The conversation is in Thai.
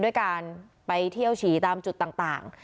ด้วยการไปเที่ยวฉี่ตามจุดต่าง